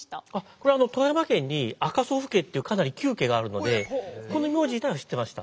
これは富山県に赤祖父家というかなり旧家があるのでこの名字自体は知ってました。